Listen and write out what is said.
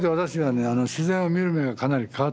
自然を見る目がかなり変わったのね。